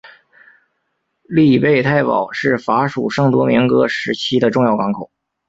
利贝泰堡是法属圣多明戈时期的重要港口。